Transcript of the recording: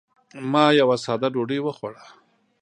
ما یوه ساده ډوډۍ وخوړه.